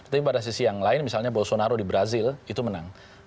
tapi pada sisi yang lain misalnya bolsonaro di brazil itu menang